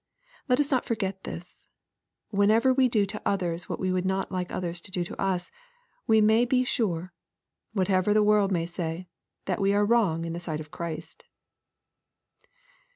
Let us not for get this. Whenever we do to others what we would not like others to do to us, we may be sure, whatever the world may say, that we are wrong in the sight of Christ.